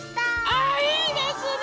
あいいですね！